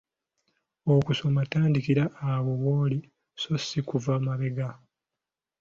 Okusoma tandikira awo w'oli so si kuva mabega.